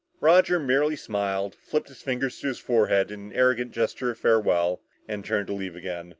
Roger merely smiled, flipped his fingers to his forehead in an arrogant gesture of farewell and turned to leave again.